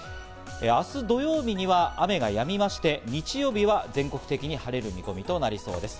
明日、土曜日には雨がやみまして、日曜日は全国的に晴れる見込みとなりそうです。